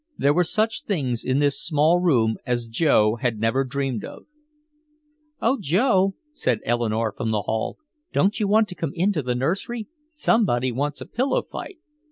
There were such things in this small room as Joe had never dreamed of. "Oh Joe," said Eleanore from the hall. "Don't you want to come into the nursery? Somebody wants a pillow fight."